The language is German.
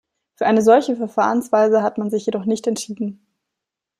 Für eine solche Verfahrensweise hat man sich jedoch nicht entschieden.